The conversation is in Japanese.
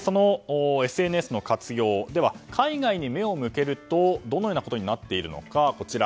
そのＳＮＳの活用では、海外に目を向けるとどのようなことになっているのか。